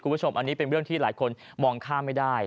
คุณผู้ชมอันนี้เป็นเรื่องที่หลายคนมองข้ามไม่ได้